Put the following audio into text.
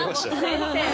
先生。